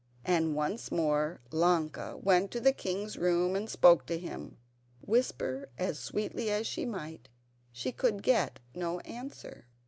And once more Ilonka went to the king's room and spoke to him; whisper as sweetly as she might she could get no answer.